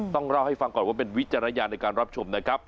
ต้องเล่าให้ฟังก่อนว่าเป็นวิจารณญาณในการรับชมนะครับ